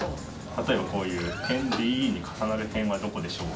例えばこういう辺ＤＥに重なる辺はどこでしょう？